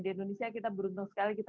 di indonesia kita beruntung sekali kita